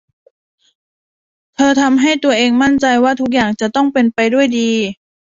เธอทำให้ตัวเองมั่นใจว่าทุกอย่างจะต้องเป็นไปด้วยดี